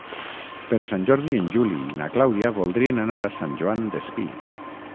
Per Sant Jordi en Juli i na Clàudia voldrien anar a Sant Joan Despí.